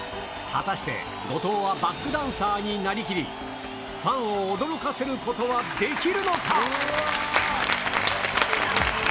果たして、後藤はバックダンサーになりきり、ファンを驚かせることはできるのか。